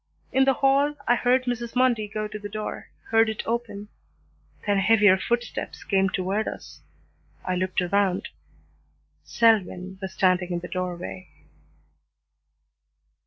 In the hall I heard Mrs. Mundy go to the door, heard it open; then heavier footsteps came toward us, I looked around. Selwyn was standing in the doorway.